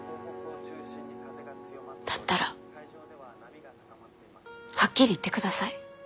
だったらはっきり言ってください。